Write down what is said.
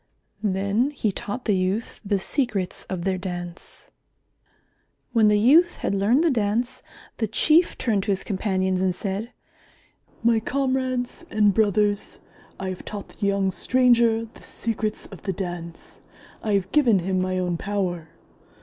Then he taught the youth the secrets of their Dance. When the youth had learned the Dance, the Chief turned to his companions and said, "My comrades and brothers, I have taught the young stranger the secrets of the Dance. I have given him my own power.